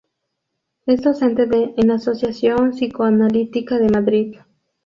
Es docente en la Asociación Psicoanalítica de Madrid.